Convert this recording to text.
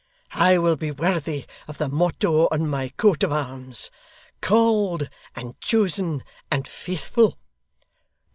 I will be worthy of the motto on my coat of arms, "Called and chosen and faithful."